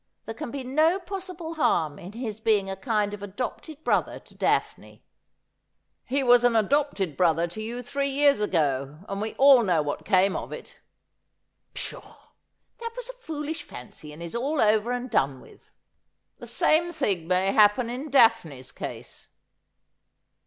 'There can be no possible harm in his being a kind of adopted brother to Daphne.' '■His Herte bathed hi a Bath of Blisse.^ 87 ' He was an adopted brother to you three years ago, and we all know what came of it.' ' Pshaw ! That was a foolish fancy, and is all over and done with.' ' The same thing may happen in Daphne's case.'